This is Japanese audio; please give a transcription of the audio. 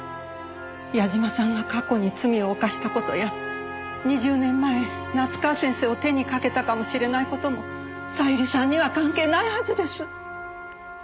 矢嶋さんが過去に罪を犯した事や２０年前夏河先生を手にかけたかもしれない事も小百合さんには関係ないはずです。